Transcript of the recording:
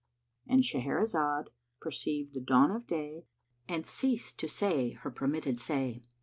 "—And Shahrazad perceived the dawn of day and ceased to say her permitted say.